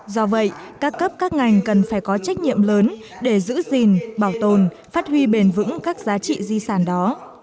do vậy các cấp các ngành cần phải có trách nhiệm lớn để giữ gìn bảo tồn phát huy bền vững các giá trị di sản đó